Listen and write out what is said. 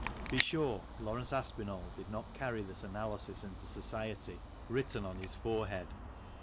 Be sure Laurence Aspinall did not carry this analysis into society, written on his forehead.